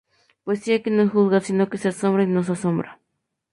Poesía que no juzga, sino que se asombra y nos asombra.